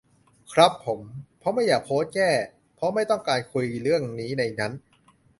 ครับผม ผมก็ไม่อยากโพสต์แก้ เพราะไม่ต้องการคุยเรื่องนี้ในนั้น